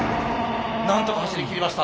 なんとか走りきりました。